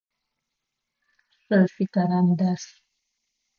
Шъо шъуикарандаш.